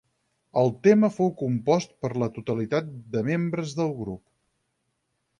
El tema fou compost per la totalitat de membres del grup.